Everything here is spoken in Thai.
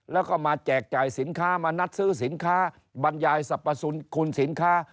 แล้วก็มาแจกจ่ายสินค้ามานัดซื้อสินค้าบรรยายสรรพคุณสินค้า